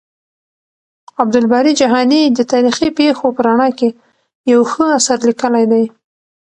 عبدالباري جهاني د تاريخي پېښو په رڼا کې يو ښه اثر ليکلی دی.